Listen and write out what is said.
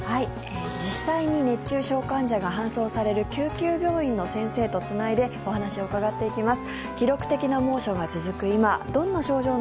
実際に熱中症患者が搬送される救急病院の先生とつないでお話を伺っていきます。